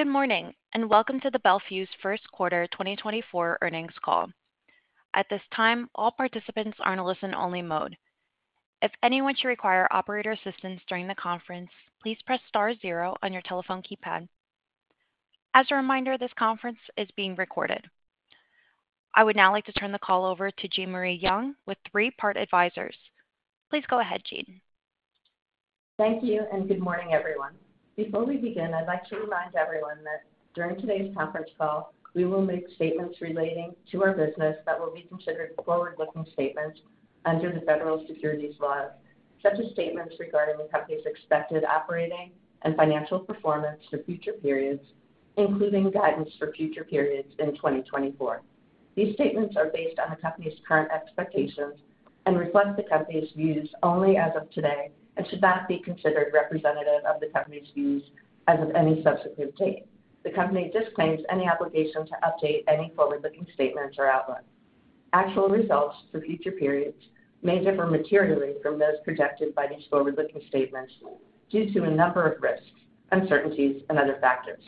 Good morning, and welcome to the Bel Fuse Q1 2024 Earnings Call. At this time, all participants are in a listen-only mode. If anyone should require operator assistance during the conference, please press star zero on your telephone keypad. As a reminder, this conference is being recorded. I would now like to turn the call over to Jean Marie Young with Three Part Advisors. Please go ahead, Jean. Thank you, and good morning, everyone. Before we begin, I'd like to remind everyone that during today's conference call, we will make statements relating to our business that will be considered forward-looking statements under the federal securities laws, such as statements regarding the company's expected operating and financial performance for future periods, including guidance for future periods in 2024. These statements are based on the company's current expectations and reflect the company's views only as of today and should not be considered representative of the company's views as of any subsequent date. The company disclaims any obligation to update any forward-looking statements or outlooks. Actual results for future periods may differ materially from those projected by these forward-looking statements due to a number of risks, uncertainties, and other factors.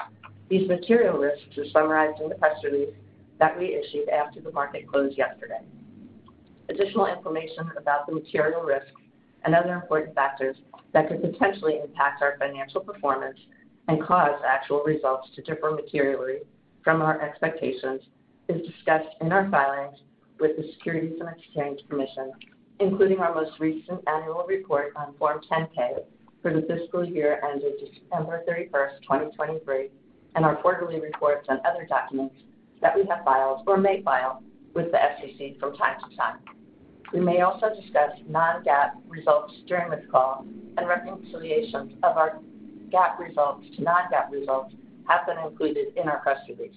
These material risks are summarized in the press release that we issued after the market closed yesterday. Additional information about the material risks and other important factors that could potentially impact our financial performance and cause actual results to differ materially from our expectations is discussed in our filings with the Securities and Exchange Commission, including our most recent annual report on Form 10-K for the fiscal year ended December 31, 2023, and our quarterly reports and other documents that we have filed or may file with the SEC from time to time. We may also discuss non-GAAP results during this call, and reconciliations of our GAAP results to non-GAAP results have been included in our press release.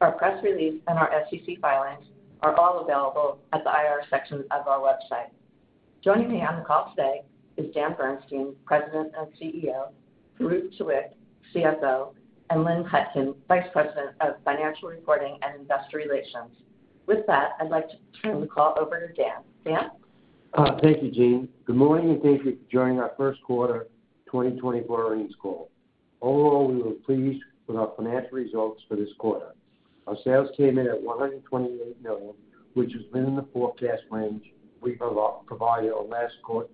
Our press release and our SEC filings are all available at the IR section of our website. Joining me on the call today is Dan Bernstein, President and CEO, Farouq Tuweiq, CFO, and Lynn Hutkin, Vice President of Financial Reporting and Investor Relations. With that, I'd like to turn the call over to Dan. Dan? Thank you, Jean. Good morning, and thank you for joining our Q1 2024 earnings call. Overall, we were pleased with our financial results for this quarter. Our sales came in at $128 million, which is within the forecast range we have provided on last quarter,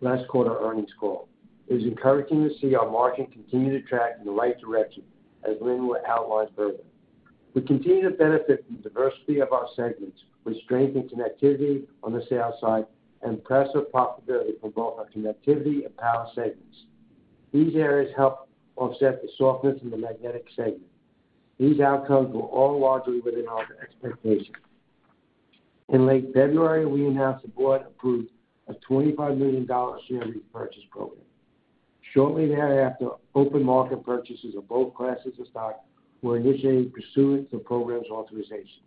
last quarter earnings call. It is encouraging to see our margin continue to track in the right direction, as Lynn will outline further. We continue to benefit from the diversity of our segments, with strength in connectivity on the sales side and impressive profitability from both our connectivity and power segments. These areas help offset the softness in the magnetic segment. These outcomes were all largely within our expectations. In late February, we announced the board approved a $25 million share repurchase program. Shortly thereafter, open market purchases of both classes of stock were initiated pursuant to the program's authorization.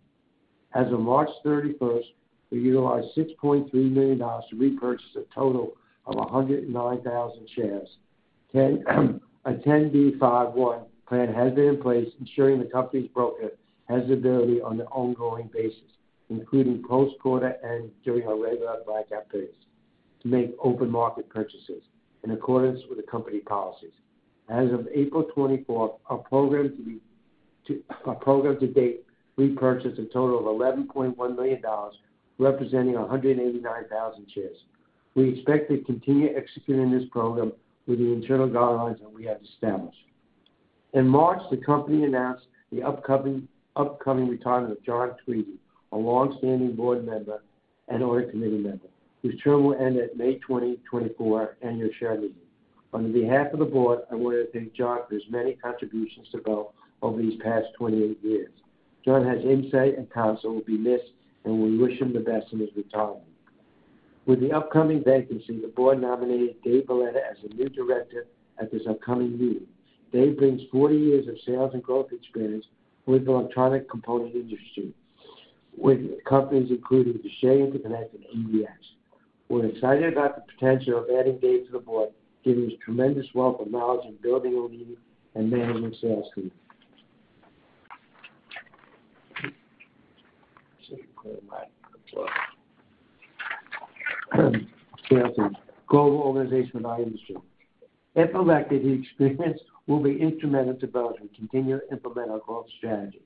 As of March 31, we utilized $6.3 million to repurchase a total of 109,000 shares. A 10b5-1 plan has been in place, ensuring the company's broker has the ability on an ongoing basis, including post-quarter and during our regular buyback periods, to make open market purchases in accordance with the company policies. As of April 24, our program to date repurchased a total of $11.1 million, representing 189,000 shares. We expect to continue executing this program with the internal guidelines that we have established. In March, the company announced the upcoming retirement of John Tweedy, a longstanding board member and audit committee member, whose term will end at the May 2024 annual shareholders meeting. On behalf of the board, I want to thank John for his many contributions to Bel Fuse over these past 28 years. John's insight and counsel will be missed, and we wish him the best in his retirement. With the upcoming vacancy, the board nominated Dave Valletta as the new director at this upcoming meeting. Dave brings 40 years of sales and growth experience with the electronic component industry, with companies including Vishay Intertechnology and EDX. We're excited about the potential of adding Dave to the board, given his tremendous wealth of knowledge in building winning and managing sales teams. Global organization of our industry. And from that, the experience will be instrumental to Bel Fuse to continue to implement our growth strategy.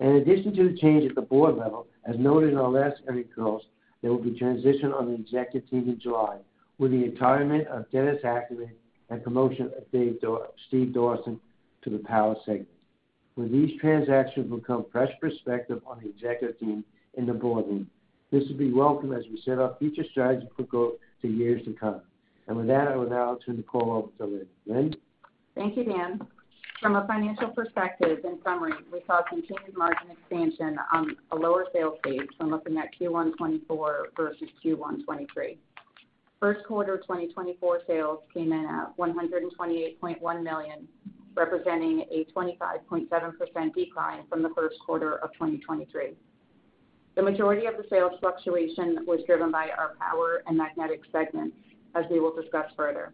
In addition to the change at the board level, as noted in our last earnings calls, there will be transition on the executive team in July, with the retirement of Dennis Ackerman and promotion of Steve Dawson to the power segment. With these transactions will come fresh perspective on the executive team and the board room. This will be welcome as we set our future strategy for growth to years to come. And with that, I will now turn the call over to Lynn. Lynn? Thank you, Dan. From a financial perspective, in summary, we saw continued margin expansion on a lower sales base when looking at Q1 2024 versus Q1 2023. Q1 2024 sales came in at $128.1 million, representing a 25.7% decline from the Q1 of 2023. The majority of the sales fluctuation was driven by our power and magnetic segments, as we will discuss further.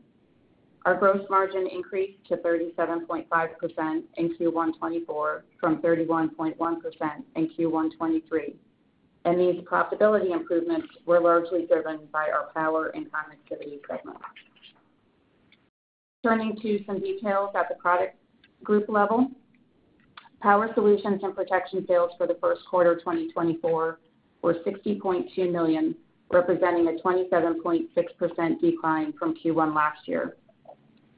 Our gross margin increased to 37.5% in Q1 2024 from 31.1% in Q1 2023.... and these profitability improvements were largely driven by our Power and Connectivity segments. Turning to some details at the product group level. Power Solutions and Protection sales for the Q1 of 2024 were $60.2 million, representing a 27.6% decline from Q1 last year.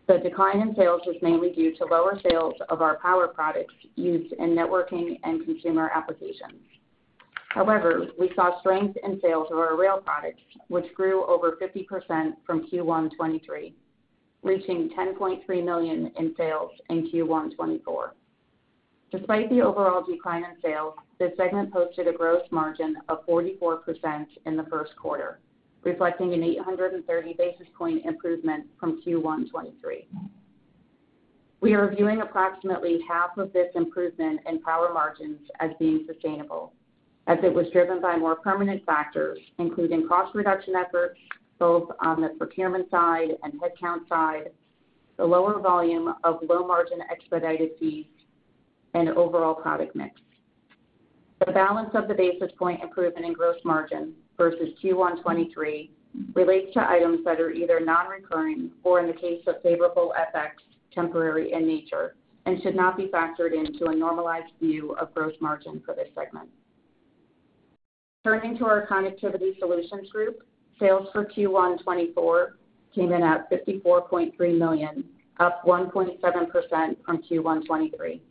The decline in sales was mainly due to lower sales of our power products used in networking and consumer applications. However, we saw strength in sales of our rail products, which grew over 50% from Q1 2023, reaching $10.3 million in sales in Q1 2024. Despite the overall decline in sales, this segment posted a gross margin of 44% in the Q1, reflecting an 830 basis point improvement from Q1 2023. We are viewing approximately half of this improvement in power margins as being sustainable, as it was driven by more permanent factors, including cost reduction efforts, both on the procurement side and headcount side, the lower volume of low-margin expedited fees, and overall product mix. The balance of the basis point improvement in gross margin versus Q1 2023 relates to items that are either nonrecurring or, in the case of favorable FX, temporary in nature, and should not be factored into a normalized view of gross margin for this segment. Turning to our Connectivity Solutions group, sales for Q1 2024 came in at $54.3 million, up 1.7% from Q1 2023.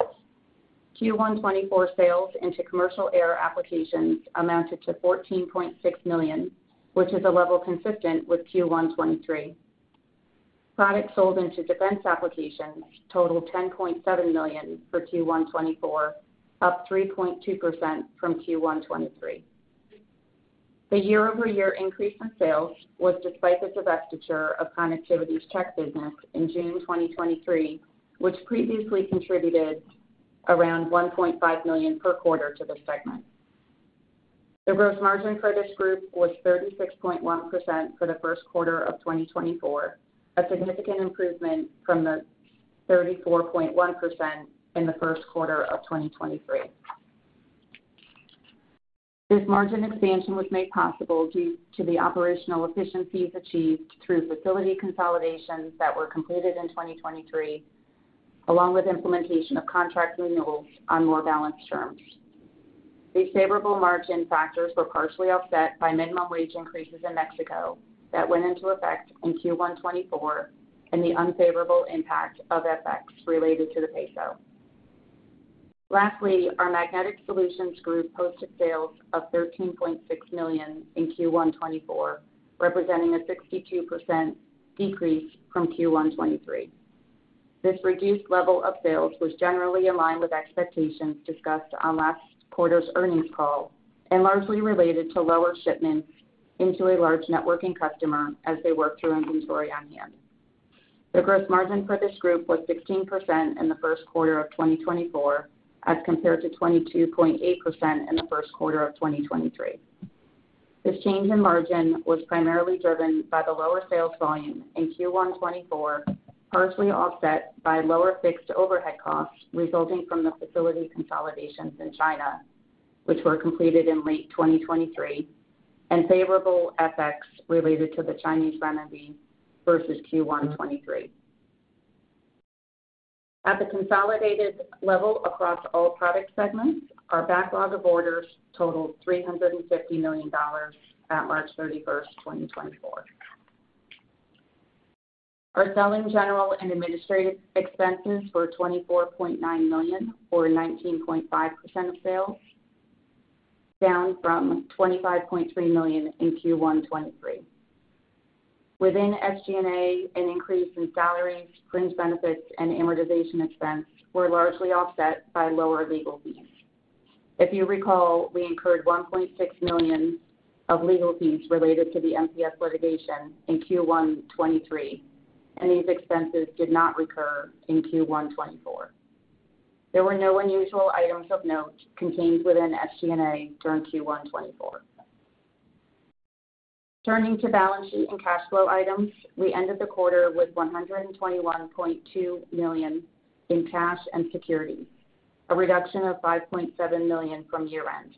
Q1 2024 sales into commercial air applications amounted to $14.6 million, which is a level consistent with Q1 2023. Products sold into defense applications totaled $10.7 million for Q1 2024, up 3.2% from Q1 2023. The year-over-year increase in sales was despite the divestiture of Connectivity's tech business in June 2023, which previously contributed around $1.5 million per quarter to the segment. The gross margin for this group was 36.1% for the Q1 of 2024, a significant improvement from the 34.1% in the Q1 of 2023. This margin expansion was made possible due to the operational efficiencies achieved through facility consolidations that were completed in 2023, along with implementation of contract renewals on more balanced terms. These favorable margin factors were partially offset by minimum wage increases in Mexico that went into effect in Q1 2024, and the unfavorable impact of FX related to the peso. Lastly, our Magnetic Solutions group posted sales of $13.6 million in Q1 2024, representing a 62% decrease from Q1 2023. This reduced level of sales was generally in line with expectations discussed on last quarter's earnings call and largely related to lower shipments into a large networking customer as they work through inventory on hand. The gross margin for this group was 16% in the Q1 of 2024, as compared to 22.8% in the Q1 of 2023. This change in margin was primarily driven by the lower sales volume in Q1 2024, partially offset by lower fixed overhead costs resulting from the facility consolidations in China, which were completed in late 2023, and favorable FX related to the Chinese renminbi versus Q1 2023. At the consolidated level across all product segments, our backlog of orders totaled $350 million at March 31, 2024. Our selling, general, and administrative expenses were $24.9 million, or 19.5% of sales, down from $25.3 million in Q1 2023. Within SG&A, an increase in salaries, fringe benefits, and amortization expense were largely offset by lower legal fees. If you recall, we incurred $1.6 million of legal fees related to the MPS litigation in Q1 2023, and these expenses did not recur in Q1 2024. There were no unusual items of note contained within SG&A during Q1 2024. Turning to balance sheet and cash flow items, we ended the quarter with $121.2 in cash and securities, a reduction of 5.7 million from year-end.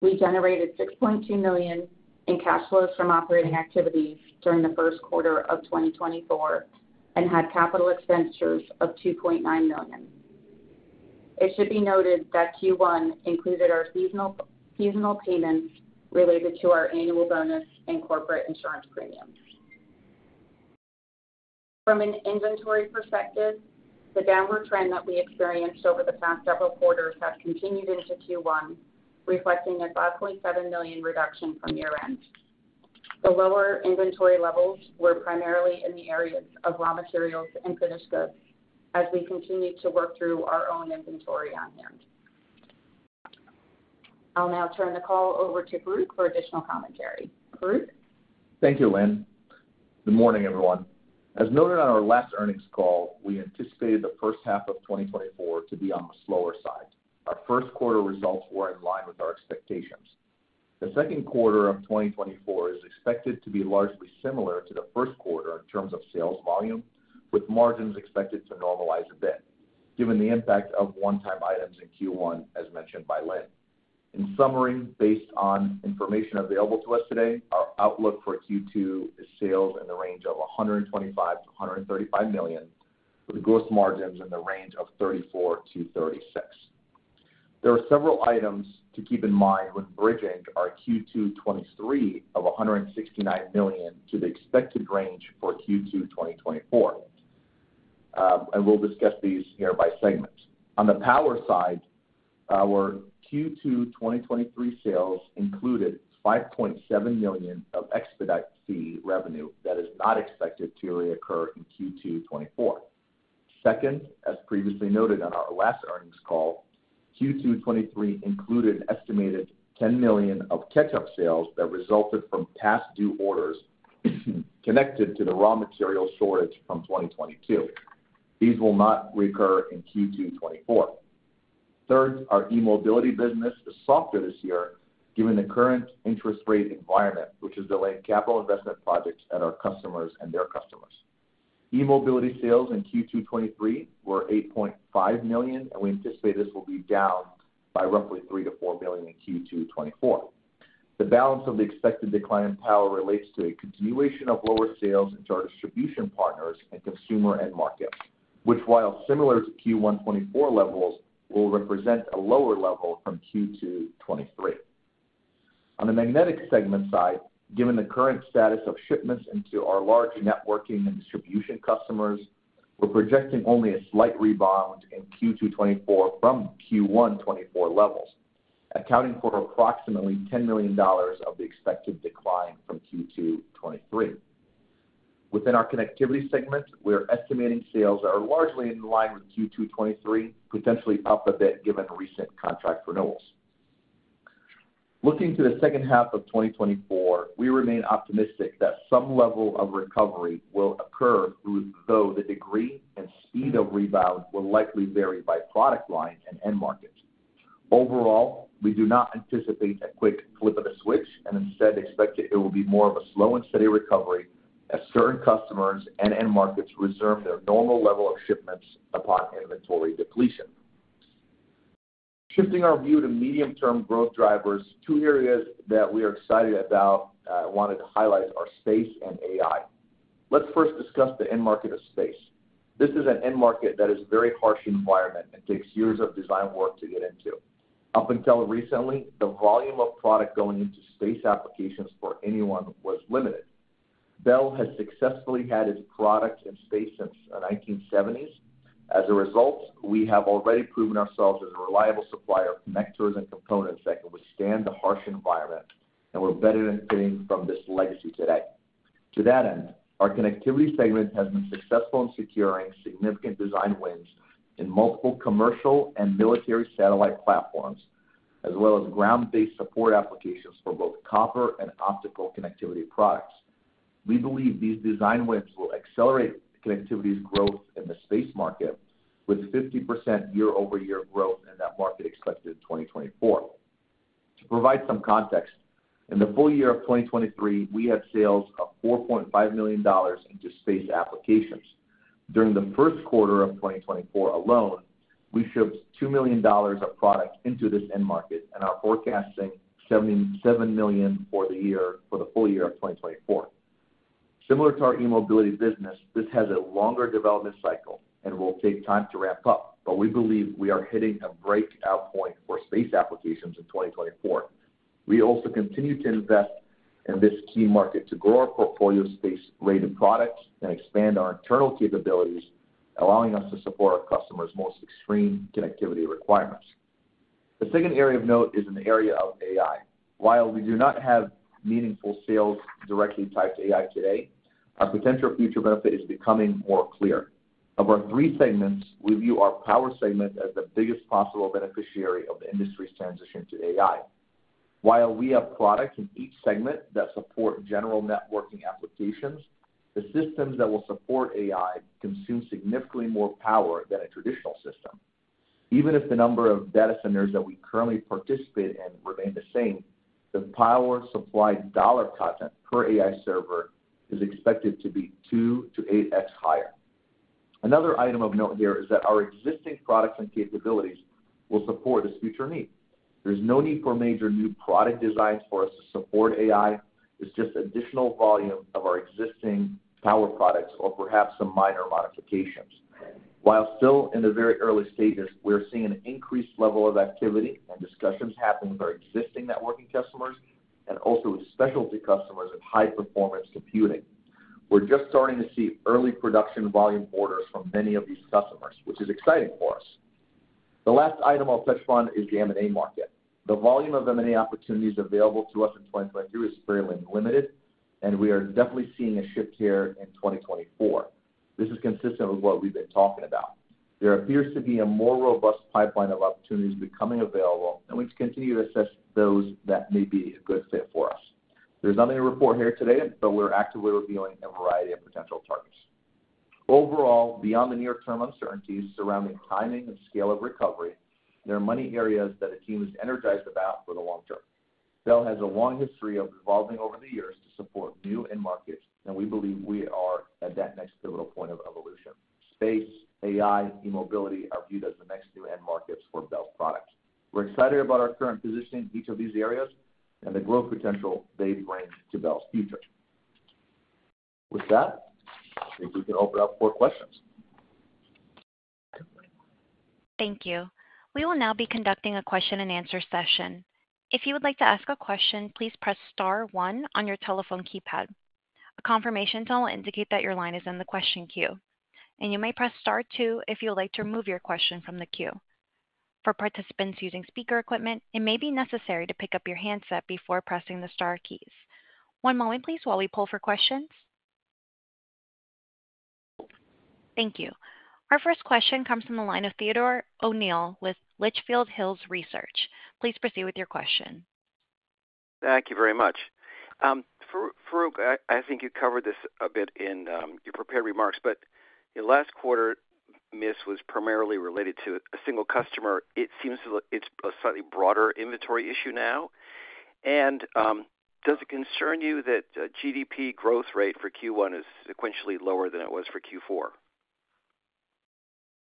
We generated $6.2 million in cash flows from operating activities during the Q1 of 2024 and had capital expenditures of $2.9 million. It should be noted that Q1 included our seasonal payments related to our annual bonus and corporate insurance premiums. From an inventory perspective, the downward trend that we experienced over the past several quarters has continued into Q1, reflecting a $5.7 million reduction from year-end. The lower inventory levels were primarily in the areas of raw materials and finished goods as we continued to work through our own inventory on hand. I'll now turn the call over to Farouq for additional commentary. Farouq? Thank you, Lynn. Good morning, everyone. As noted on our last earnings call, we anticipated the first half of 2024 to be on the slower side. Our Q1 results were in line with our expectations. The second quarter of 2024 is expected to be largely similar to Q1 in terms of sales volume, with margins expected to normalize a bit, given the impact of one-time items in Q1, as mentioned by Lynn. In summary, based on information available to us today, our outlook for Q2 is sales in the range of $125 - 135 million, with gross margins in the range of 34%-36%. There are several items to keep in mind when bridging our Q2 2023 of $169 million to the expected range for Q2 2024, and we'll discuss these here by segment. On the power side, our Q2 2023 sales included $5.7 million of expedite fee revenue that is not expected to reoccur in Q2 2024. Second, as previously noted on our last earnings call, Q2 2023 included an estimated $10 million of catch-up sales that resulted from past due orders, connected to the raw material shortage from 2022. These will not recur in Q2 2024. Third, our e-mobility business is softer this year, given the current interest rate environment, which is delaying capital investment projects at our customers and their customers. E-mobility sales in Q2 2023 were $8.5 million, and we anticipate this will be down by roughly $3 - 4 million in Q2 2024. The balance of the expected decline in power relates to a continuation of lower sales into our distribution partners and consumer end market, which, while similar to Q1 2024 levels, will represent a lower level from Q2 2023. On the magnetic segment side, given the current status of shipments into our large networking and distribution customers, we're projecting only a slight rebound in Q2 2024 from Q1 2024 levels, accounting for approximately $10 million of the expected decline from Q2 2023. Within our connectivity segment, we are estimating sales are largely in line with Q2 2023, potentially up a bit given recent contract renewals. Looking to the second half of 2024, we remain optimistic that some level of recovery will occur, though the degree and speed of rebound will likely vary by product line and end market. Overall, we do not anticipate a quick flip of a switch, and instead, expect it will be more of a slow and steady recovery as certain customers and end markets resume their normal level of shipments upon inventory depletion. Shifting our view to medium-term growth drivers, two areas that we are excited about, I wanted to highlight are space and AI. Let's first discuss the end market of space. This is an end market that is a very harsh environment and takes years of design work to get into. Up until recently, the volume of product going into space applications for anyone was limited. Bel has successfully had its product in space since the 1970s. As a result, we have already proven ourselves as a reliable supplier of connectors and components that can withstand the harsh environment, and we're benefiting from this legacy today. To that end, our connectivity segment has been successful in securing significant design wins in multiple commercial and military satellite platforms, as well as ground-based support applications for both copper and optical connectivity products. We believe these design wins will accelerate connectivity's growth in the space market, with 50% year-over-year growth in that market expected in 2024. To provide some context, in the full year of 2023, we had sales of $4.5 million into space applications. During the Q1 of 2024 alone, we shipped $2 million of product into this end market and are forecasting $77 million for the full year of 2024. Similar to our e-mobility business, this has a longer development cycle and will take time to ramp up, but we believe we are hitting a breakout point for space applications in 2024. We also continue to invest in this key market to grow our portfolio of space-related products and expand our internal capabilities, allowing us to support our customers' most extreme connectivity requirements. The second area of note is in the area of AI. While we do not have meaningful sales directly tied to AI today, our potential future benefit is becoming more clear. Of our three segments, we view our power segment as the biggest possible beneficiary of the industry's transition to AI. While we have products in each segment that support general networking applications, the systems that will support AI consume significantly more power than a traditional system. Even if the number of data centers that we currently participate in remain the same, the power supply dollar content per AI server is expected to be 2-8x higher. Another item of note here is that our existing products and capabilities will support this future need. There's no need for major new product designs for us to support AI. It's just additional volume of our existing power products or perhaps some minor modifications. While still in the very early stages, we're seeing an increased level of activity and discussions happening with our existing networking customers and also with specialty customers in high-performance computing. We're just starting to see early production volume orders from many of these customers, which is exciting for us. The last item I'll touch on is the M&A market. The volume of M&A opportunities available to us in 2023 is fairly limited, and we are definitely seeing a shift here in 2024. This is consistent with what we've been talking about. There appears to be a more robust pipeline of opportunities becoming available, and we continue to assess those that may be a good fit for us. There's nothing to report here today, but we're actively reviewing a variety of potential targets. Overall, beyond the near-term uncertainties surrounding timing and scale of recovery, there are many areas that the team is energized about for the long term. Bel has a long history of evolving over the years to support new end markets, and we believe we are at that next pivotal point of evolution. Space, AI, e-mobility are viewed as the next new end markets for Bel's products. We're excited about our current position in each of these areas and the growth potential they bring to Bel's future. With that, I think we can open up for questions. Thank you. We will now be conducting a question-and-answer session. If you would like to ask a question, please press star one on your telephone keypad. A confirmation tone will indicate that your line is in the question queue, and you may press star two if you would like to remove your question from the queue. For participants using speaker equipment, it may be necessary to pick up your handset before pressing the star keys. One moment please, while we poll for questions. Thank you. Our first question comes from the line of Theodore O'Neill with Litchfield Hills Research. Please proceed with your question. Thank you very much. Farouq, I think you covered this a bit in your prepared remarks, but your last quarter miss was primarily related to a single customer. It seems like it's a slightly broader inventory issue now. Does it concern you that GDP growth rate for Q1 is sequentially lower than it was for Q4?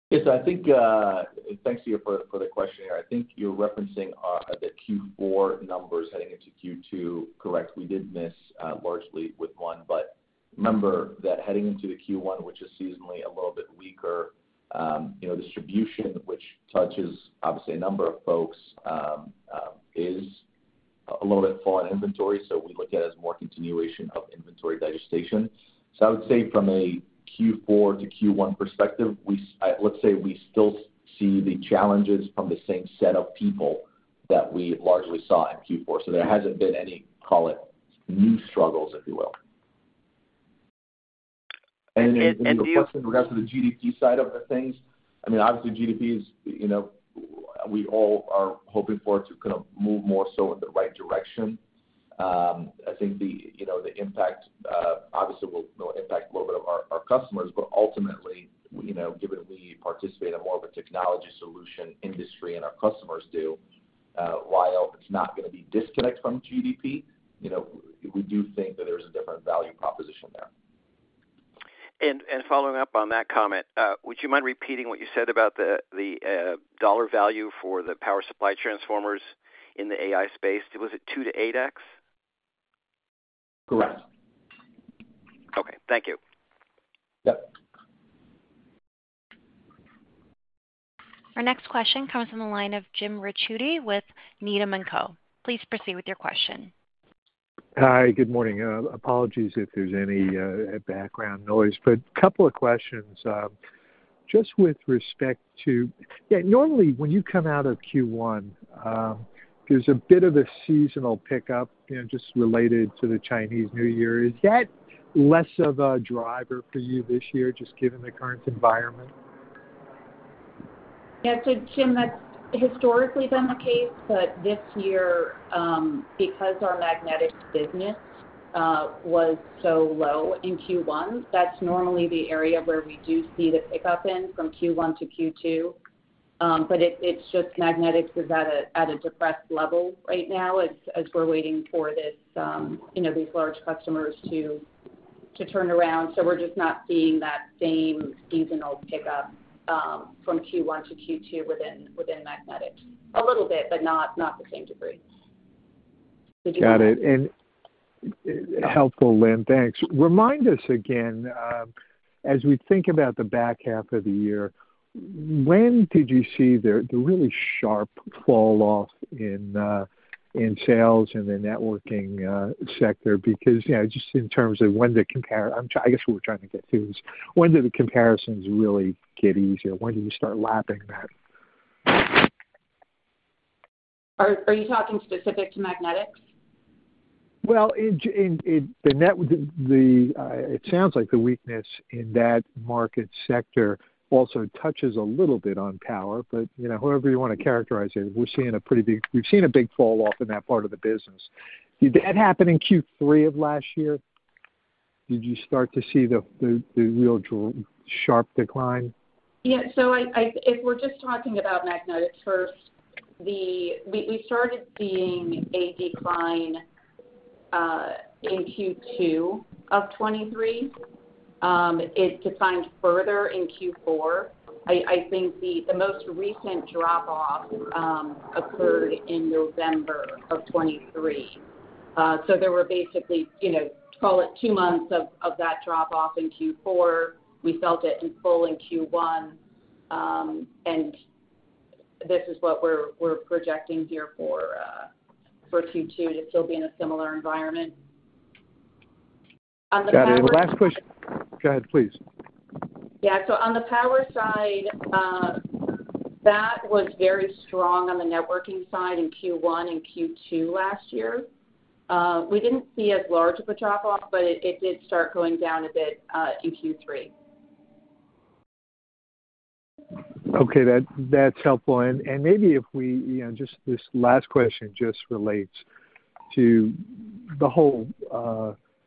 Yes, I think, thanks to you for, for the question here. I think you're referencing, the Q4 numbers heading into Q2, correct. We did miss, largely with one, but remember that heading into the Q1, which is seasonally a little bit weaker, you know, distribution, which touches obviously a number of folks, is a little bit fall in inventory, so we look at it as more continuation of inventory digestion. So I would say from a Q4 to Q1 perspective, we-- let's say we still see the challenges from the same set of people that we largely saw in Q4. So there hasn't been any, call it, new struggles, if you will. Do you- The question in regards to the GDP side of the things, I mean, obviously, GDP is, you know, we all are hoping for it to kind of move more so in the right direction. I think the, you know, the impact, obviously, will impact a little bit of our customers, but ultimately, you know, given that we participate in more of a technology solution industry and our customers do, while it's not gonna be disconnected from GDP, you know, we do think that there's a different value proposition there. Following up on that comment, would you mind repeating what you said about the dollar value for the power supply transformers in the AI space? Was it 2-8x? Correct. Okay, thank you. Yep. Our next question comes from the line of Jim Ricchiuti with Needham and Co. Please proceed with your question. Hi, good morning. Apologies if there's any background noise. But a couple of questions. Just with respect to— Yeah, normally, when you come out of Q1, there's a bit of a seasonal pickup, you know, just related to the Chinese New Year. Is that less of a driver for you this year, just given the current environment? Yeah, so Jim, that's historically been the case, but this year, because our magnetics business was so low in Q1, that's normally the area where we do see the pickup from Q1 to Q2. But it's just magnetics is at a depressed level right now as we're waiting for this, you know, these large customers to turn around. So we're just not seeing that same seasonal pickup from Q1 to Q2 within magnetics. A little bit, but not the same degree. Did you- Got it, and helpful, Lynn. Thanks. Remind us again, as we think about the back half of the year, when did you see the really sharp falloff in sales in the networking sector? Because, you know, just in terms of, I guess what we're trying to get to is, when do the comparisons really get easier? When do you start lapping that? Are you talking specific to magnetics? Well, it sounds like the weakness in that market sector also touches a little bit on power, but, you know, however you want to characterize it, we're seeing a pretty big—we've seen a big falloff in that part of the business. Did that happen in Q3 of last year? Did you start to see the real sharp decline? Yeah, so if we're just talking about magnetics first, we started seeing a decline in Q2 of 2023. It declined further in Q4. I think the most recent drop-off occurred in November of 2023. So there were basically, you know, call it two months of that drop-off in Q4. We felt it in full in Q1, and this is what we're projecting here for Q2, to still be in a similar environment. On the power- Got it. Last question. Go ahead, please. Yeah, so on the power side, that was very strong on the networking side in Q1 and Q2 last year. We didn't see as large of a drop-off, but it did start going down a bit in Q3.... Okay, that's helpful. And maybe if we, you know, just this last question just relates to the whole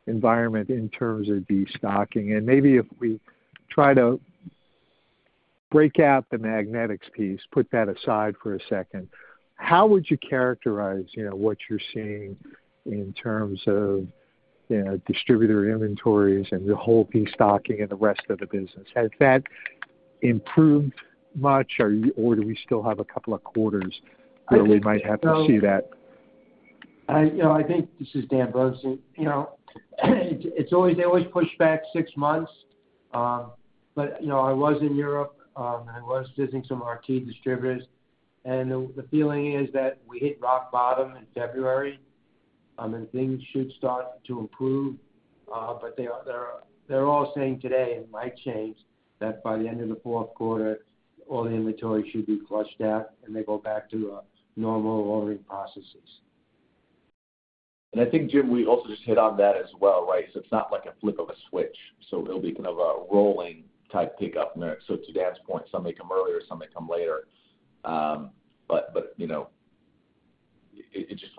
environment in terms of destocking. And maybe if we try to break out the magnetics piece, put that aside for a second, how would you characterize, you know, what you're seeing in terms of, you know, distributor inventories and the whole destocking and the rest of the business? Has that improved much, or are you or do we still have a couple of quarters where we might have to see that? I, you know, I think, this is Dan Bernstein. You know, it's always, they always push back six months. But, you know, I was in Europe, and I was visiting some of our key distributors, and the feeling is that we hit rock bottom in February, and things should start to improve. But they are, they're, they're all saying today, it might change, that by the end of the fourth quarter, all the inventory should be flushed out, and they go back to normal ordering processes. And I think, Jim, we also just hit on that as well, right? So it's not like a flip of a switch, so it'll be kind of a rolling type pickup there. So to Dan's point, some may come earlier, some may come later. But you know,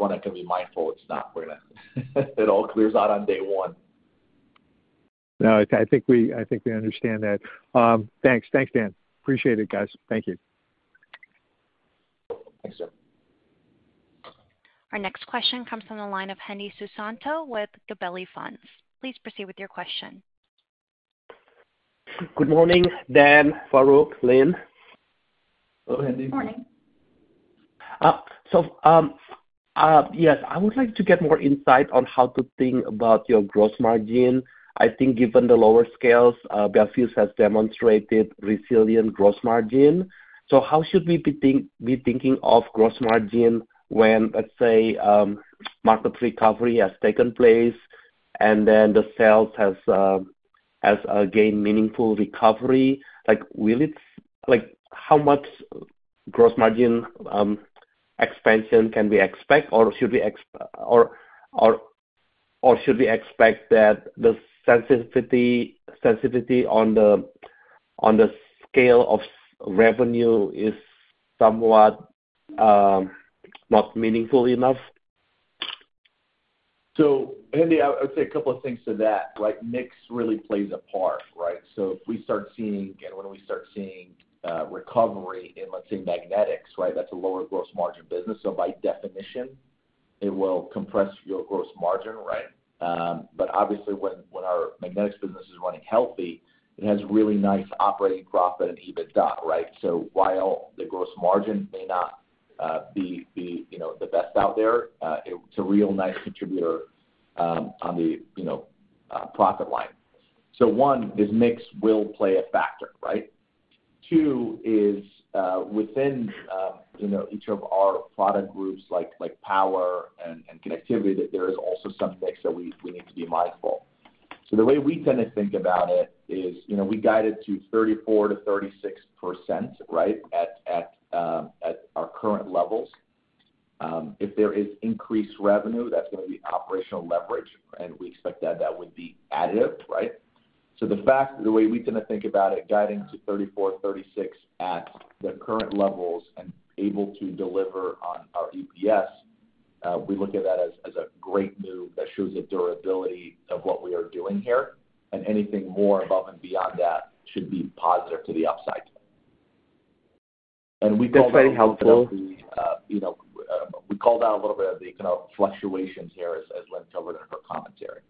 gotta be mindful it's not gonna all clear out on day one. No, I think we understand that. Thanks. Thanks, Dan. Appreciate it, guys. Thank you. Thanks, Jim. Our next question comes from the line of Hendi Susanto with Gabelli Funds. Please proceed with your question. Good morning, Dan, Farouq, Lynn. Hello, Hendi. Morning. So, yes, I would like to get more insight on how to think about your gross margin. I think given the lower scales, Bel Fuse has demonstrated resilient gross margin. So how should we be thinking of gross margin when, let's say, market recovery has taken place, and then the sales has gained meaningful recovery? Like, how much gross margin expansion can we expect? Or should we expect that the sensitivity on the scale of revenue is somewhat not meaningful enough? So Henry, I'd say a couple of things to that, right? Mix really plays a part, right? So if we start seeing, and when we start seeing, recovery in, let's say, magnetics, right, that's a lower gross margin business. So by definition, it will compress your gross margin, right? But obviously, when our magnetics business is running healthy, it has really nice operating profit and EBITDA, right? So while the gross margin may not be, you know, the best out there, it's a real nice contributor, you know, on the profit line. So one is mix will play a factor, right? Two is, within, you know, each of our product groups like power and connectivity, that there is also some mix that we need to be mindful. So the way we tend to think about it is, you know, we guided to 34%-36%, right, at, at, at our current levels. If there is increased revenue, that's gonna be operational leverage, and we expect that that would be additive, right? The way we tend to think about it, guiding to 34%-36% at the current levels and able to deliver on our EPS, we look at that as, as a great move that shows the durability of what we are doing here, and anything more above and beyond that should be positive to the upside. That's very helpful. We called out a little bit of the kind of fluctuations here as Lynn covered in her commentary.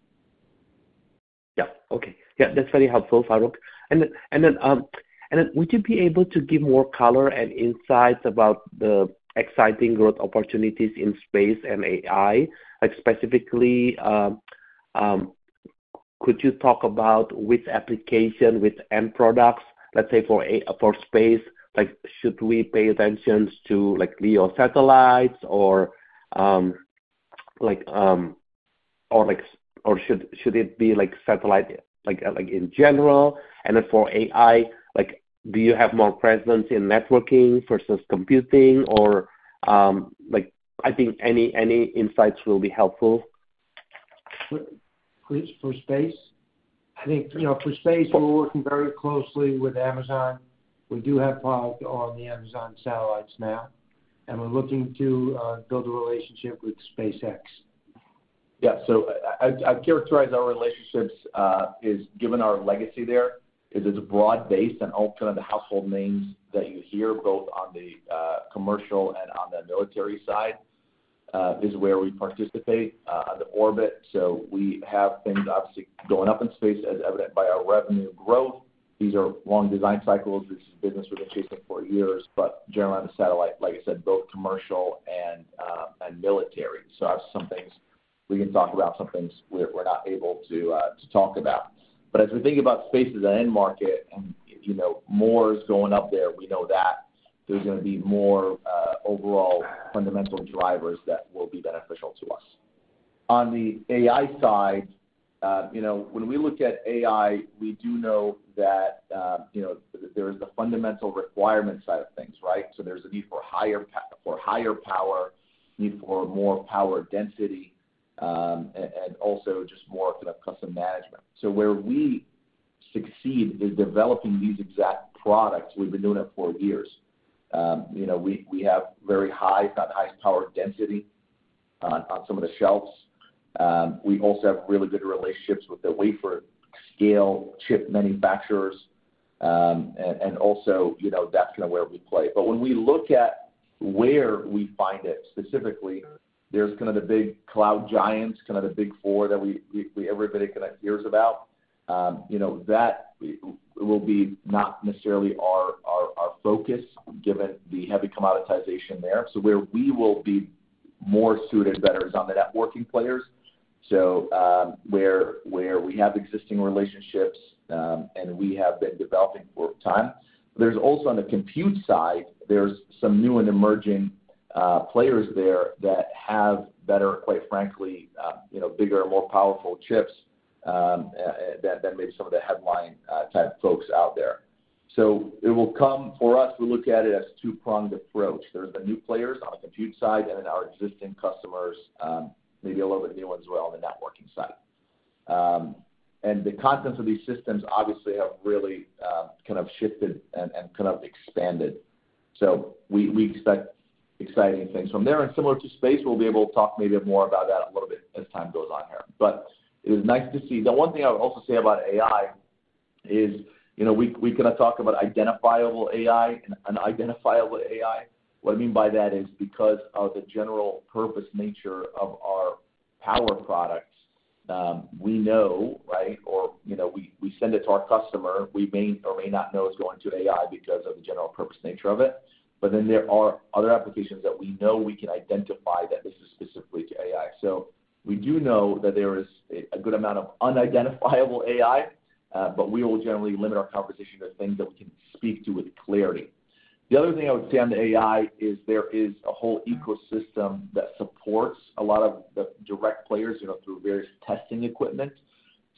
Yeah. Okay. Yeah, that's very helpful, Farouq. And then would you be able to give more color and insights about the exciting growth opportunities in space and AI? Like, specifically, could you talk about which application, which end products, let's say for space, like, should we pay attention to, like, LEO satellites or, like, or should it be, like, satellites in general? And then for AI, like, do you have more presence in networking versus computing or, like, I think any insights will be helpful. For space? I think, you know, for space, we're working very closely with Amazon. We do have product on the Amazon satellites now, and we're looking to build a relationship with SpaceX. Yeah, so I'd characterize our relationships as given our legacy there, it's a broad base and all kind of the household names that you hear, both on the commercial and on the military side, is where we participate on the orbit. So we have things obviously going up in space, as evidenced by our revenue growth. These are long design cycles. This is business we've been chasing for years, but generally on the satellite, like I said, both commercial and military. So some things we can talk about, some things we're not able to talk about. But as we think about space as an end market and, you know, more is going up there, we know that there's gonna be more overall fundamental drivers that will be beneficial to us. On the AI side, you know, when we look at AI, we do know that, you know, there is the fundamental requirement side of things, right? So there's a need for higher power, need for more power density... and also just more kind of custom management. So where we succeed is developing these exact products. We've been doing it for years. You know, we have very high, if not highest power density on some of the shelves. We also have really good relationships with the wafer scale chip manufacturers. And also, you know, that's kind of where we play. But when we look at where we find it specifically, there's kind of the big cloud giants, kind of the big four that we everybody kind of hears about. You know, that will be not necessarily our focus, given the heavy commoditization there. So where we will be more suited better is on the networking players. So, where we have existing relationships, and we have been developing for time. There's also, on the compute side, there's some new and emerging players there that have better, quite frankly, you know, bigger and more powerful chips, than maybe some of the headline type folks out there. So it will come. For us, we look at it as two-pronged approach. There's the new players on the compute side and then our existing customers, maybe a little bit new ones as well, on the networking side. And the contents of these systems obviously have really kind of shifted and kind of expanded. So we expect exciting things from there. Similar to Space, we'll be able to talk maybe more about that a little bit as time goes on here. It is nice to see. The one thing I would also say about AI is, you know, we kind of talk about identifiable AI and unidentifiable AI. What I mean by that is because of the general purpose nature of our power products, we know, right, or, you know, we send it to our customer, we may or may not know it's going to AI because of the general purpose nature of it. But then there are other applications that we know we can identify that this is specifically to AI. So we do know that there is a good amount of unidentifiable AI, but we will generally limit our conversation to things that we can speak to with clarity. The other thing I would say on the AI is there is a whole ecosystem that supports a lot of the direct players, you know, through various testing equipment.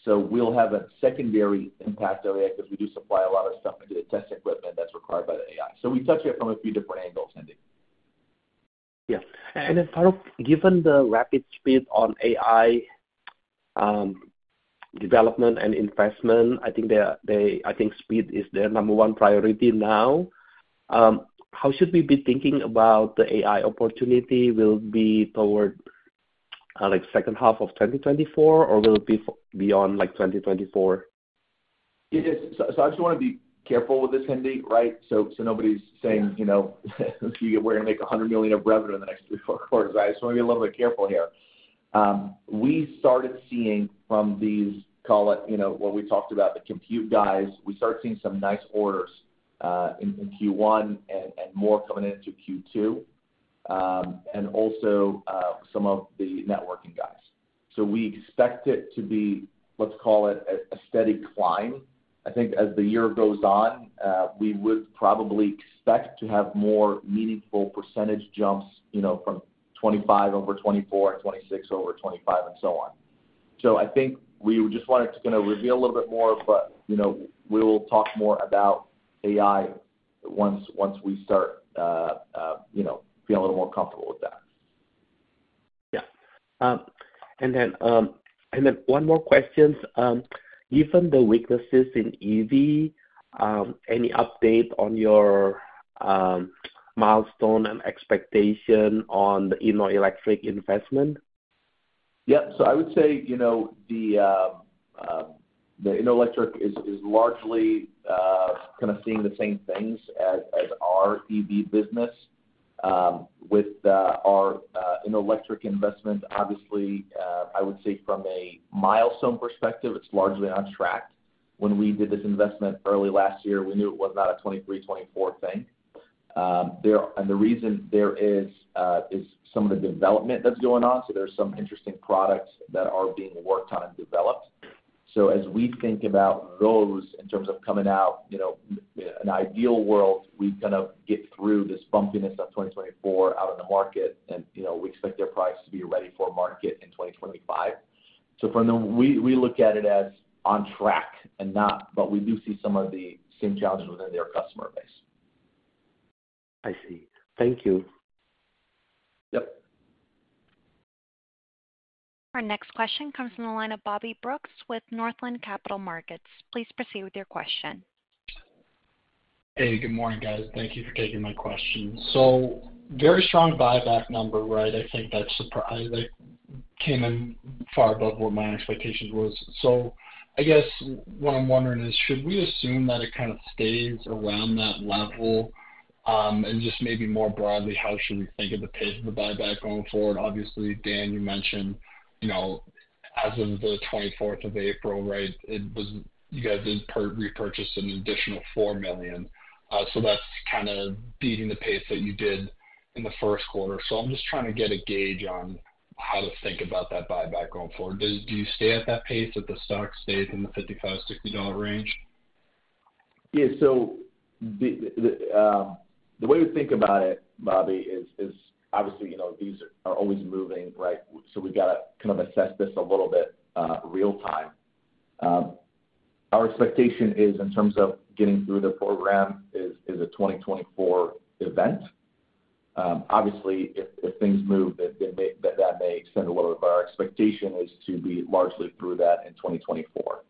So we'll have a secondary impact of AI, because we do supply a lot of stuff into the test equipment that's required by the AI. So we touch it from a few different angles, Hendi. Yeah. Then Farouq, given the rapid speed on AI development and investment, I think they, I think speed is their number one priority now. How should we be thinking about the AI opportunity will be toward, like, second half of 2024, or will it be beyond, like, 2024? So, I just wanna be careful with this, Hendi, right? So, nobody's saying- Yeah. You know, we're gonna make $100 million of revenue in the next three quarters. I just wanna be a little bit careful here. We started seeing from these, call it, you know, what we talked about, the compute guys, we started seeing some nice orders in Q1 and more coming into Q2. And also, some of the networking guys. So we expect it to be, let's call it, a steady climb. I think as the year goes on, we would probably expect to have more meaningful percentage jumps, you know, from 2025 over 2024 and 2026 over 2025, and so on. So I think we just wanted to kind of reveal a little bit more, but, you know, we will talk more about AI once we start, you know, feel a little more comfortable with that. Yeah. And then one more questions. Given the weaknesses in EV, any update on your milestone and expectation on the innolectric investment? Yeah. So I would say, you know, the innolectric is largely kind of seeing the same things as our EV business. With our innolectric investment, obviously, I would say from a milestone perspective, it's largely on track. When we did this investment early last year, we knew it was not a 2023, 2024 thing. The reason is some of the development that's going on, so there's some interesting products that are being worked on and developed. So as we think about those in terms of coming out, you know, an ideal world, we kind of get through this bumpiness of 2024 out in the market and, you know, we expect their products to be ready for market in 2025. So from the... We look at it as on track and not, but we do see some of the same challenges within their customer base. I see. Thank you. Yep. Our next question comes from the line of Bobby Brooks with Northland Capital Markets. Please proceed with your question. Hey, good morning, guys. Thank you for taking my question. So very strong buyback number, right? I think that surprise that came in far above where my expectation was. So I guess what I'm wondering is, should we assume that it kind of stays around that level? And just maybe more broadly, how should we think of the pace of the buyback going forward? Obviously, Dan, you mentioned, you know, as of the April 24, right, it was—you guys did repurchase an additional $4 million. So that's kind of beating the pace that you did in the Q1. So I'm just trying to get a gauge on how to think about that buyback going forward. Do you stay at that pace, if the stock stays in the $55-60 range? Yeah. So the, the way to think about it, Bobby, is, is obviously, you know, these are always moving, right? So we've got to kind of assess this a little bit real time. Our expectation is in terms of getting through the program is, is a 2024 event. Obviously, if, if things move, then, then they, that may extend a little bit, but our expectation is to be largely through that in 2024.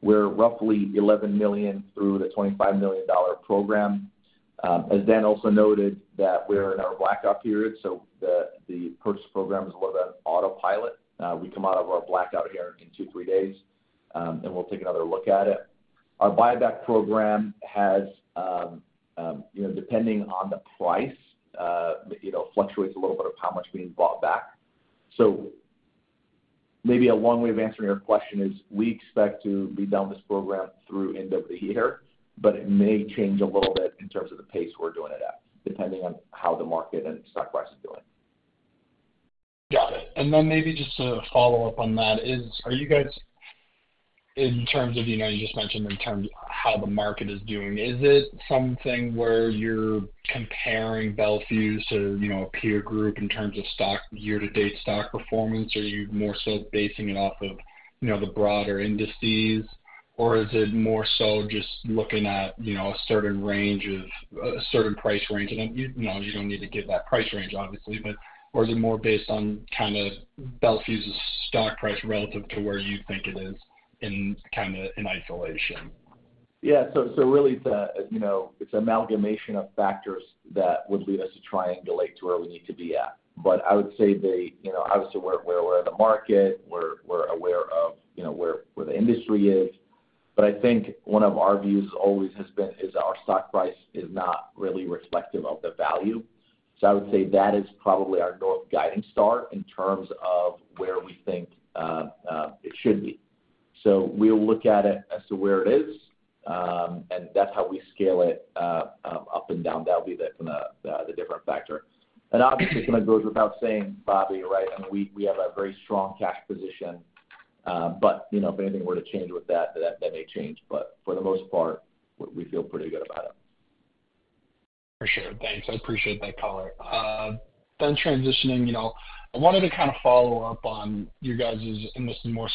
We're roughly $11 through the 25 million program. As Dan also noted, that we're in our blackout period, so the, the purchase program is a little bit on autopilot. We come out of our blackout here in two to three days, and we'll take another look at it. Our buyback program has, you know, depending on the price, you know, fluctuates a little bit of how much being bought back. So maybe a long way of answering your question is, we expect to be done with this program through end of the year, but it may change a little bit in terms of the pace we're doing it at, depending on how the market and stock price is doing. Got it. And then maybe just to follow up on that, are you guys, in terms of, you know, you just mentioned in terms of how the market is doing, is it something where you're comparing Bel Fuse to, you know, a peer group in terms of stock, year-to-date stock performance? Or are you more so basing it off of, you know, the broader indices? Or is it more so just looking at, you know, a certain range of, a certain price range? And you know, you don't need to give that price range, obviously, but... Or is it more based on kind of Bel Fuse's stock price relative to where you think it is in, kind of, in isolation? Yeah. So really, you know, it's amalgamation of factors that would lead us to triangulate to where we need to be at. But I would say, you know, obviously, we're aware of the market, we're aware of, you know, where the industry is. But I think one of our views always has been, is our stock price is not really reflective of the value. So I would say that is probably our north guiding star in terms of where we think it should be. So we'll look at it as to where it is, and that's how we scale it up and down. That'll be kind of the different factor. And obviously, it kind of goes without saying, Bobby, you're right, I mean, we have a very strong cash position. you know, if anything were to change with that, that may change. But for the most part, we feel pretty good about it. For sure. Thanks, I appreciate that color. Then transitioning, you know, I wanted to kind of follow up on you guys's, and this is more,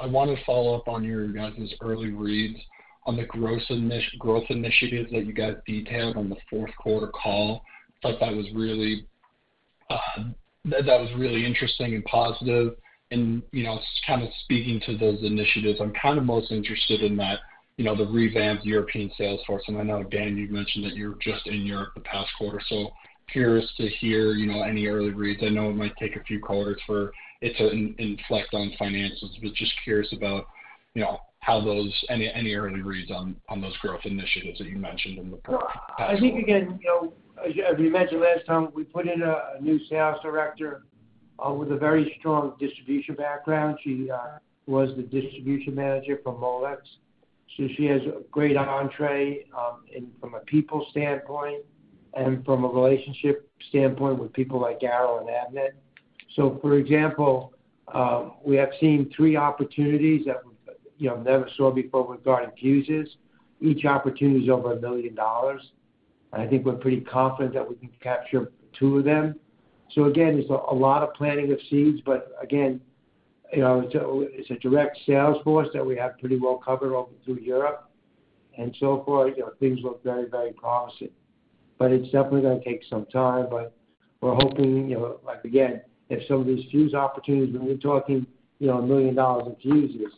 I wanted to follow up on your, you guys' early reads on the gross init- growth initiatives that you guys detailed on the fourth quarter call. I thought that was really, that, that was really interesting and positive. And, you know, kind of speaking to those initiatives, I'm kind of most interested in that, you know, the revamped European sales force. And I know, Dan, you've mentioned that you're just in Europe the past quarter, so curious to hear, you know, any early reads. I know it might take a few quarters for it to inflect on finances, but just curious about, you know, any early reads on those growth initiatives that you mentioned in the past quarter. I think, again, you know, as we mentioned last time, we put in a new sales director with a very strong distribution background. She was the distribution manager for Molex, so she has great entree and from a people standpoint and from a relationship standpoint with people like Arrow and Avnet. So for example, we have seen three opportunities that we've, you know, never saw before regarding fuses. Each opportunity is over $1 million. And I think we're pretty confident that we can capture two of them. So again, there's a lot of planting of seeds, but again, you know, it's a direct sales force that we have pretty well covered all through Europe. And so far, you know, things look very, very promising. It's definitely gonna take some time, but we're hoping, you know, like, again, if some of these fuse opportunities, and we're talking, you know, $1 million in fuses,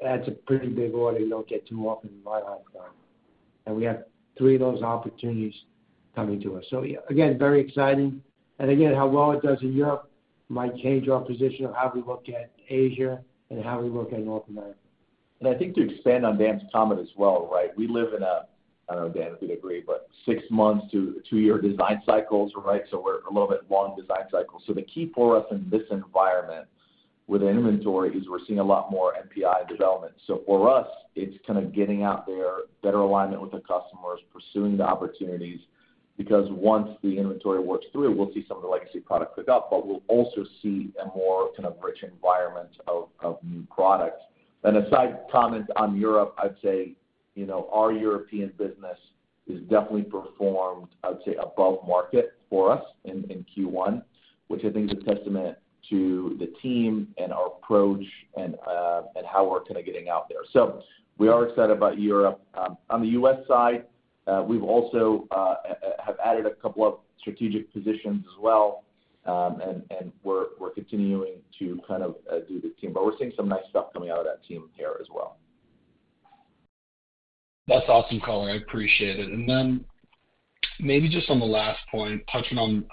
that's a pretty big order you don't get too often in my lifetime. We have 3 of those opportunities coming to us. Very exciting. How well it does in Europe might change our position of how we look at Asia and how we look at North America. And I think to expand on Dan's comment as well, right? We live in a, I don't know, Dan, if you'd agree, but six-month to two-year design cycles, right? So we're a little bit long design cycles. So the key for us in this environment with inventory is we're seeing a lot more NPI development. So for us, it's kind of getting out there, better alignment with the customers, pursuing the opportunities, because once the inventory works through, we'll see some of the legacy product pick up, but we'll also see a more kind of rich environment of new products. And a side comment on Europe, I'd say, you know, our European business is definitely performed, I would say, above market for us in Q1, which I think is a testament to the team and our approach, and and how we're kind of getting out there. So we are excited about Europe. On the U.S. side, we have added a couple of strategic positions as well, and we're continuing to kind of build the team, but we're seeing some nice stuff coming out of that team there as well. That's awesome, color, I appreciate it. And then maybe just on the last point, touching on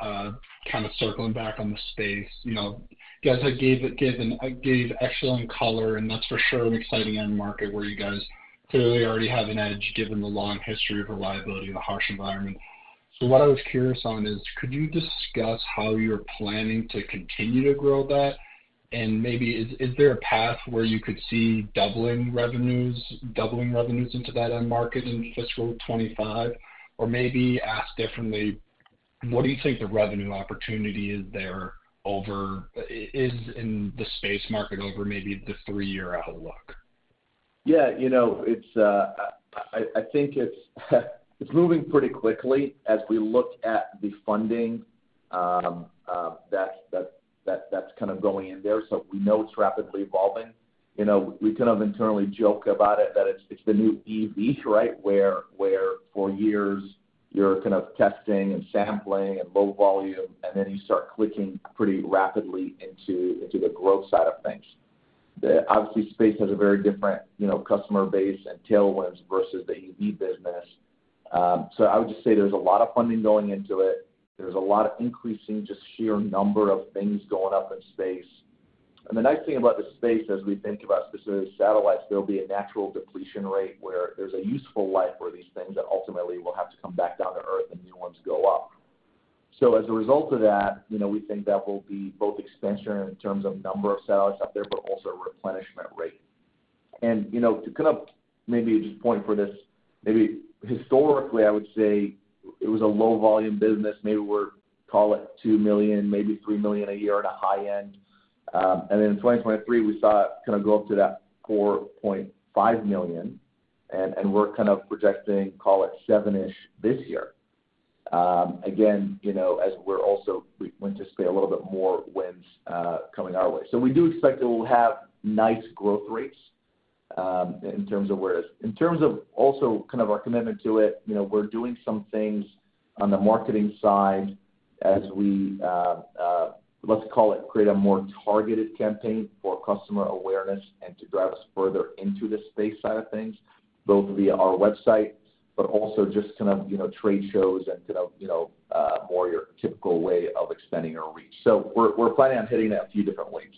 kind of circling back on the space. You know, you guys have given excellent color, and that's for sure an exciting end market where you guys clearly already have an edge, given the long history of reliability in a harsh environment. So what I was curious on is: could you discuss how you're planning to continue to grow that? And maybe is there a path where you could see doubling revenues, doubling revenues into that end market in fiscal 2025? Or maybe asked differently, what do you think the revenue opportunity is there over is in the space market over maybe the three-year outlook? Yeah, you know, it's moving pretty quickly as we look at the funding that's kind of going in there, so we know it's rapidly evolving. You know, we kind of internally joke about it that it's the new EV, right? Where for years, you're kind of testing and sampling and low volume, and then you start clicking pretty rapidly into the growth side of things. Obviously, space has a very different, you know, customer base and tailwinds versus the EV business. So I would just say there's a lot of funding going into it. There's a lot of increasing just sheer number of things going up in space. The nice thing about the space, as we think about specific satellites, there'll be a natural depletion rate, where there's a useful life for these things that ultimately will have to come back down to Earth and new ones go up. So as a result of that, you know, we think that will be both expansion in terms of number of satellites up there, but also replenishment rate. You know, to kind of maybe just point for this, maybe historically, I would say it was a low volume business. Maybe we'd call it $2 - 3 million a year at a high end. And then in 2023, we saw it kind of go up to that $4.5 million, and we're kind of projecting, call it 7-ish this year. Again, you know, as we're also we went to see a little bit more wins coming our way. So we do expect that we'll have nice growth rates in terms of where it is. In terms of also kind of our commitment to it, you know, we're doing some things on the marketing side as we, let's call it, create a more targeted campaign for customer awareness and to drive us further into the space side of things, both via our website, but also just kind of, you know, trade shows and kind of, you know, more your typical way of expanding our reach. So we're planning on hitting that a few different ways.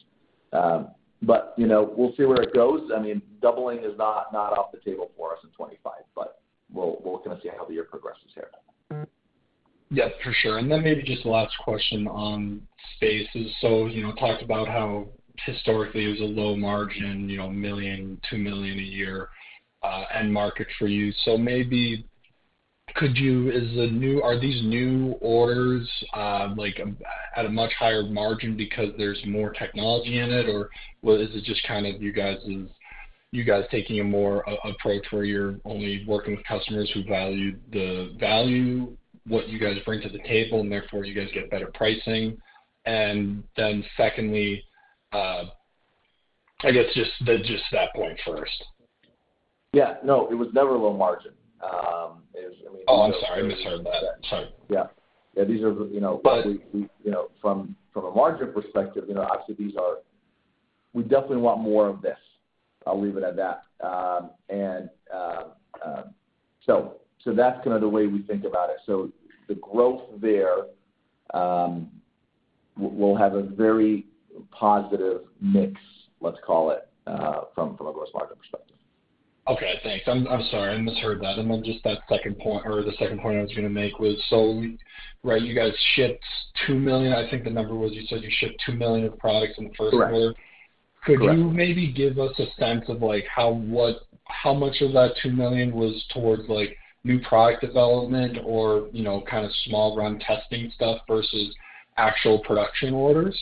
But, you know, we'll see where it goes. I mean, doubling is not, not off the table for us in 2025, but we'll, we're gonna see how the year progresses here. Yes, for sure. And then maybe just the last question on space. So, you know, talked about how historically it was a low margin, you know, $1 million, 2 million a year end market for you. So maybe could you -- is the new are these new orders, like, at a much higher margin because there's more technology in it? Or is it just kind of you guys's, you guys taking a more approach, where you're only working with customers who value the value, what you guys bring to the table, and therefore, you guys get better pricing? And then secondly, I guess just that point first. Yeah. No, it was never low margin. I mean- Oh, I'm sorry, I misheard that. Sorry. Yeah. Yeah, these are the, you know- But- We, you know, from a margin perspective, you know, obviously, these are... We definitely want more of this. I'll leave it at that. And so that's kind of the way we think about it. So the growth there will have a very positive mix, let's call it, from a gross margin perspective. Okay, thanks. I'm sorry, I misheard that. And then just that second point, or the second point I was gonna make was, so, right, you guys shipped 2 million. I think the number was you said you shipped two million of products in the Q1. Correct. Could you maybe give us a sense of, like, how much of that $2 million was towards, like, new product development or, you know, kind of small run testing stuff versus actual production orders?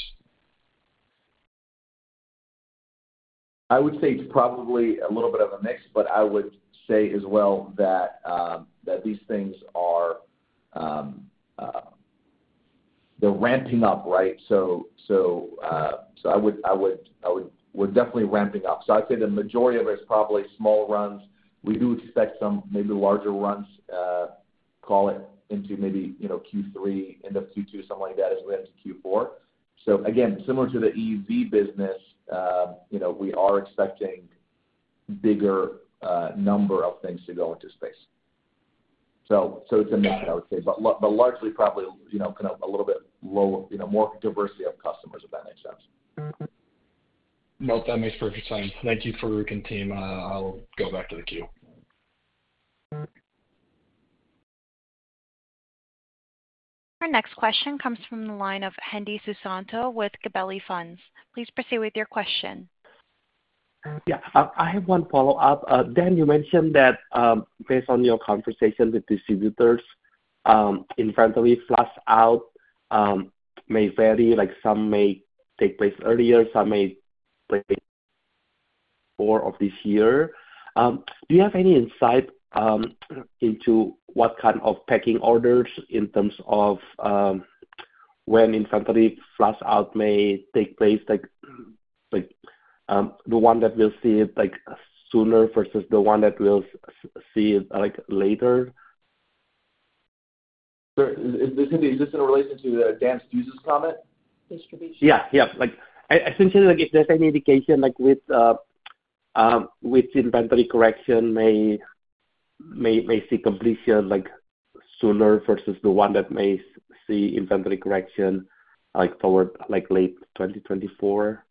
I would say it's probably a little bit of a mix, but I would say as well that these things are, they're ramping up, right? So we're definitely ramping up. So I'd say the majority of it is probably small runs. We do expect some maybe larger runs, call it into maybe, you know, Q3, end of Q2, something like that, as we head into Q4. So again, similar to the EUV business, you know, we are expecting bigger number of things to go into space. So it's a mix, I would say, but largely probably, you know, kind of a little bit low, you know, more diversity of customers, if that makes sense. No, that makes perfect sense. Thank you, Farouq and team. I'll go back to the queue. Our next question comes from the line of Hendi Susanto with Gabelli Funds. Please proceed with your question. Yeah, I have one follow-up. Dan, you mentioned that, based on your conversation with distributors, inventory flush out may vary, like some may take place earlier, some may take four of this year. Do you have any insight into what kind of pecking orders in terms of when inventory flush out may take place? Like, like, the one that will see it, like, sooner versus the one that will see it, like, later? Sir, is this in relation to Dan's distribution comment? Distribution. Yeah, yeah. Like, essentially, like, if there's any indication, like, with inventory correction may see completion, like, sooner versus the one that may see inventory correction, like, toward, like, late 2024?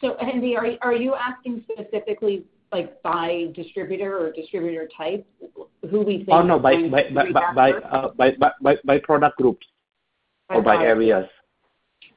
So, Hendi, are you asking specifically, like, by distributor or distributor type, who we think- Oh, no. By product groups or by areas.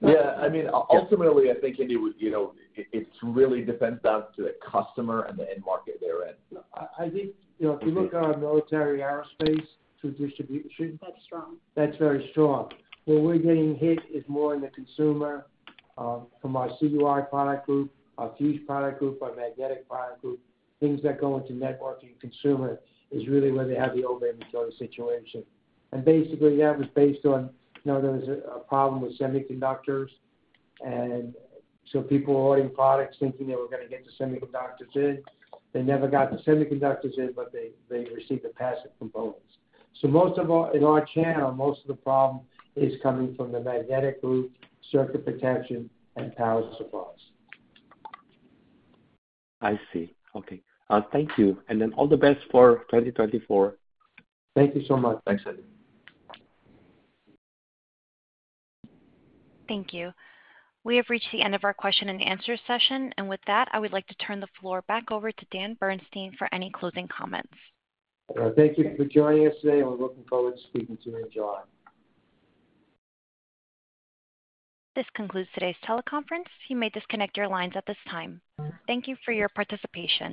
Yeah. I mean, ultimately, I think, Hendi, you know, it, it really depends down to the customer and the end market they're in. I think, you know, if you look at our military aerospace to distribution- That's strong. That's very strong. Where we're getting hit is more in the consumer from our CUI product group, our fuse product group, our magnetic product group. Things that go into networking consumer is really where they have the overinventory situation. And basically, that was based on, you know, there was a problem with semiconductors, and so people were ordering products thinking they were gonna get the semiconductors in. They never got the semiconductors in, but they received the passive components. So most of all, in our channel, most of the problem is coming from the magnetic group, circuit protection, and power supplies. I see. Okay, thank you, and then all the best for 2024. Thank you so much. Thanks, Hendi. Thank you. We have reached the end of our question and answer session, and with that, I would like to turn the floor back over to Dan Bernstein for any closing comments. Thank you for joining us today, and we're looking forward to speaking to you in July. This concludes today's teleconference. You may disconnect your lines at this time. Thank you for your participation.